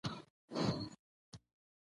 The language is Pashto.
کلي د تکنالوژۍ له پرمختګ سره تړاو لري.